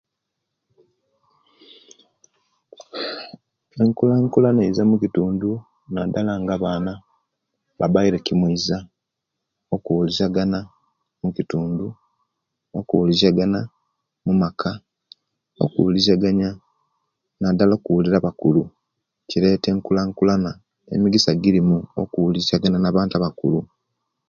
Enkulakulana eiza mukitundu nadala nga abaana babaire kimweiza okuuliziyagana mukitundu okuuliziyagana mumaka okubuliziyagana nadala okubulira abakulu kireta enkulakulana emigisa girimu okubuliziyagana nabantu abakulu